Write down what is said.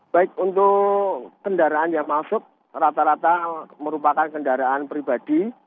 baik untuk kendaraan yang masuk rata rata merupakan kendaraan pribadi